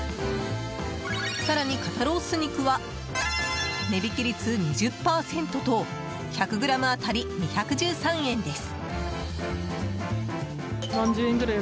更に肩ロース肉は値引き率２０％と１００ｇ当たり２１３円です。